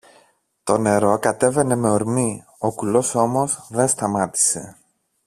Το νερό κατέβαινε με ορμή, ο κουλός όμως δε σταμάτησε.